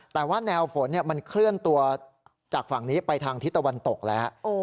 แต่ว่าแนวฝนมันเคลื่อนตัวจากฝั่งนี้ไปทางทิศตะวันตกแล้ว